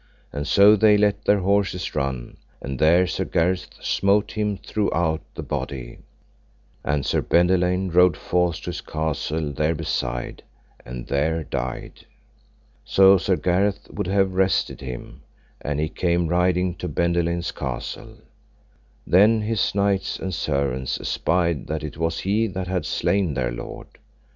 And so they let their horses run, and there Sir Gareth smote him throughout the body; and Sir Bendelaine rode forth to his castle there beside, and there died. So Sir Gareth would have rested him, and he came riding to Bendelaine's castle. Then his knights and servants espied that it was he that had slain their lord.